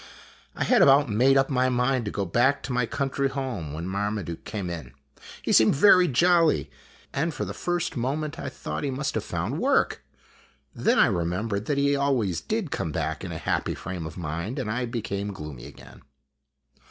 I had about made up my mind to go back to my country home, when Marmaduke came in. He seemed very jolly, and for the first mo ment I thought he must have found work. Then I remembered O that he always did come back in a happy frame of mind, and I became gloomy again.